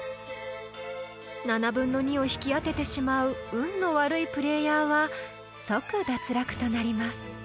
［７分の２を引き当ててしまう運の悪いプレーヤーは即脱落となります］